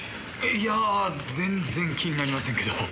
いや全然気になりませんけど。